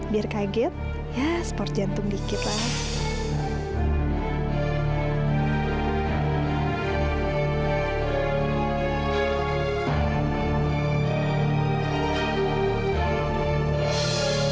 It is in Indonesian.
biar kaget ya sport jantung dikit lah